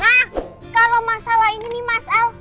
nah kalau masalah ini nih mas al